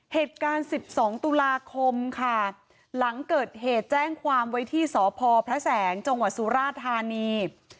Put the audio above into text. เหตุการณ์๑๒ตุลาคมค่ะหลังเกิดเหตุแจ้งความไว้ที่สพพระแสงจังหวัดสุราธานี